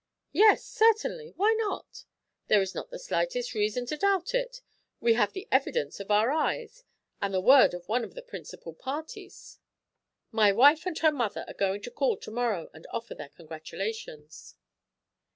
"Yes, certainly, why not? There is not the slightest reason to doubt it. We have the evidence of our eyes and the word of one of the principal parties. My wife and her mother are going to call to morrow and offer their congratulations."